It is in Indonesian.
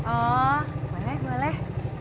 oh boleh boleh